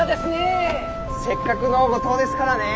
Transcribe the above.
せっかくの五島ですからね。